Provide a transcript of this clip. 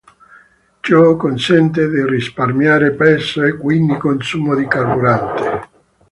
Ciò consente di risparmiare peso e quindi consumo di carburante.